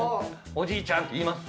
おじいちゃんって言います？